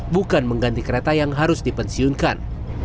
bukan mengganti kereta yang harus dipensiunkan